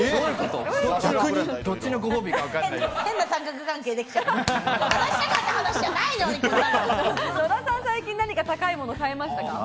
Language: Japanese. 野田さん、何か最近、高いもの買いましたか？